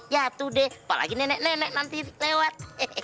ya tuh deh apalagi nenek nenek nanti lewat